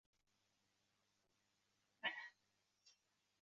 Har yili o‘tkaziladigan sport musobaqalari belgilanding